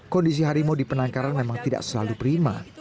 kondisi hari mau dipenangkan memang tidak selalu prima